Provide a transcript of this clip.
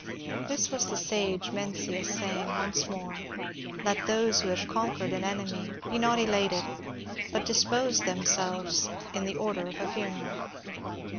This was the sage Mencius saying once more, '^ Let those who have conquered an enemy be not elated, but dispose themselves in the order of a funeral